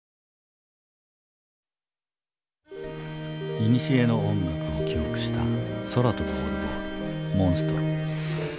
いにしえの音楽を記憶した空飛ぶオルゴール「モンストロ」。